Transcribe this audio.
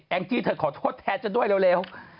จี้เธอขอโทษแทนฉันด้วยเร็ว